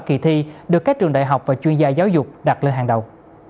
kỳ thi được các trường đại học và chuyên gia giáo dục đặt lên hàng đầu